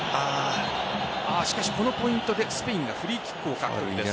しかしこのポイントでスペインがフリーキックを獲得です。